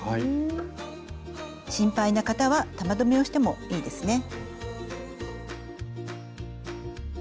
心配な方は玉留めをしてもいいですね。